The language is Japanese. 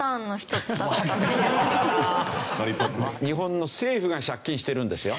日本の政府が借金してるんですよ。